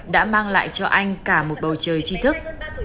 đã mang lại cho anh cả một bầu trời tri thức